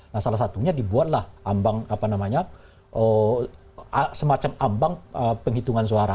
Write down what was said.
nah salah satunya dibuatlah ambang semacam ambang penghitungan suara